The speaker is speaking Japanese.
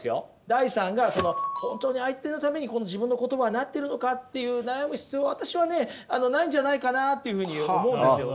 ダイさんが本当に相手のために自分の言葉はなってるのかっていう悩む必要は私はねないんじゃないかなあというふうに思うんですよね。